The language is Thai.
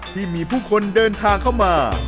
ที่มีผู้คนเดินทางเข้ามา